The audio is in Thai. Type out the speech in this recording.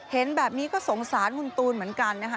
เห็นแบบนี้ก็สงสารคุณตูนเหมือนกันนะคะ